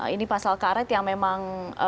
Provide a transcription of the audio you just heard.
ini pasal karet yang memang